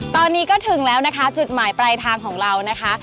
ตอนนี้ก็ถึงแล้วนะคะจุดหมายปลายทางของเรานะคะ